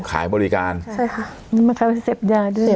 ขายบริการใช่ค่ะมันทำให้เสพยาด้วย